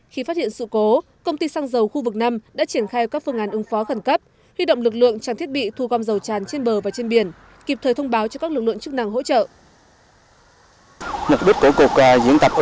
khi phát hiện sự cố công ty xăng dầu khu vực năm đã triển khai các phương án ứng phó khẩn cấp